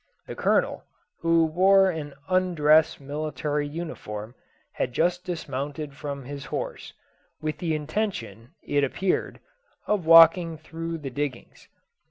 The Colonel, who wore an undress military uniform, had just dismounted from his horse, with the intention, it appeared, of walking through the diggings.